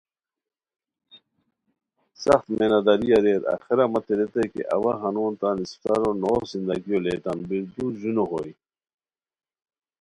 سخت مینہ داری اریر آخرہ متے ریتائے کی اوا ہنون تان اسپڅارو نوغ زندگیو لیتام بیرودو ژونو ہوئے